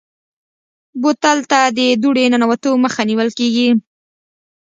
بوتل ته د دوړې ننوتو مخه نیول کېږي.